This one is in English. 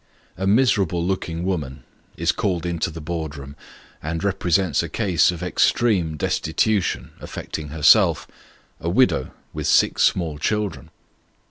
A miserable looking woman is called into the board room, and repre sents a case of extreme destitution, affecting herself a widow, with six small children.